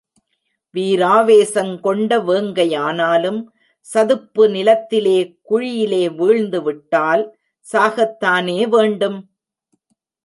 வீராவேசங் கொண்ட வேங்கையானாலும், சதுப்பு நிலத்திலே – குழியிலே – வீழ்ந்து விட்டால் சாகத்தானே வேண்டும்!